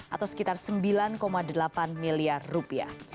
atau sekitar sembilan delapan miliar rupiah